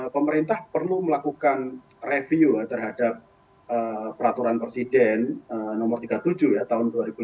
pemerintah perlu melakukan review terhadap peraturan presiden nomor tiga puluh tujuh ya tahun dua ribu lima belas